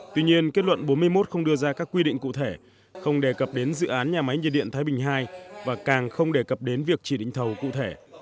tuy nhiên kết luận bốn mươi một không đưa ra các quy định cụ thể không đề cập đến dự án nhà máy nhiệt điện thái bình ii và càng không đề cập đến việc chỉ định thầu cụ thể